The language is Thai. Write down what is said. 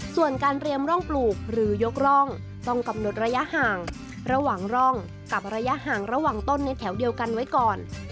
ส่วนการเรียมร่องปลูกหรือยกร่องต้องกำหนดระยะห่างระหว่างร่องกับระยะห่างระหว่างต้นในแถวเดียวกันไว้ก่อน